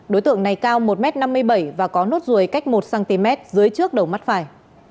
đối tượng này cao một m năm mươi bảy và có nốt ruồi cách một cm dưới trước đầu mắt phải